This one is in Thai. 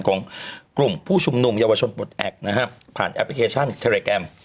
ของกลุ่มผู้ชุมนุมเยาวชนปลดแอบนะฮะผ่านแอปพลิเคชันเทราแกรม